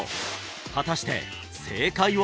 果たして正解は？